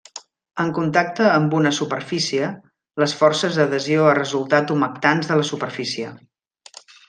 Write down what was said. En contacte amb una superfície, les forces d'adhesió a resultat humectants de la superfície.